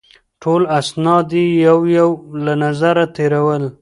ټول اسناد یې یو یو له نظره تېرول.